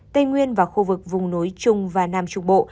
tây nguyên và khu vực vùng núi trung và nam trung bộ